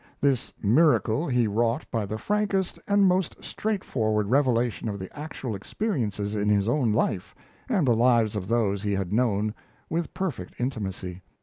This miracle he wrought by the frankest and most straightforward revelation of the actual experiences in his own life and the lives of those he had known with perfect intimacy.